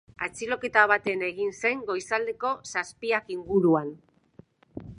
Atxiloketa bat en egin zen goizaldeko zazpiak inguruan.